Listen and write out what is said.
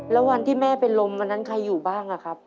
แล้ววันที่แม่เป็นลมวันนั้นใครอยู่บ้างอะครับ